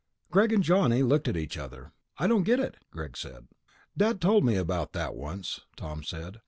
'" Greg and Johnny looked at each other. "I don't get it," Greg said. "Dad told me about that once," Tom said.